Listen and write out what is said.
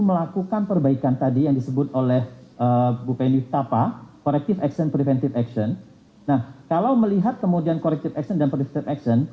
melakukan perbaikan tadi yang disebut oleh bu penny tapa corrective action preventive action nah kalau melihat kemudian corrective action dan preven action